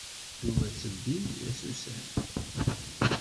Yuba yettbin-d d asusam.